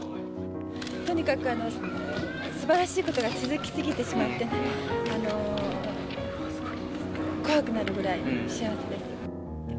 とにかくすばらしいことが続き過ぎてしまって、怖くなるぐらい幸せです。